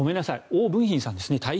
オウ・ブンヒンさんです。